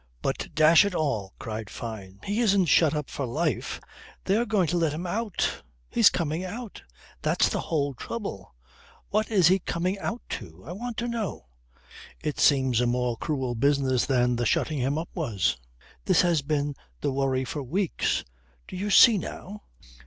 "But dash it all," cried Fyne, "he isn't shut up for life. They are going to let him out. He's coming out! That's the whole trouble. What is he coming out to, I want to know? It seems a more cruel business than the shutting him up was. This has been the worry for weeks. Do you see now?"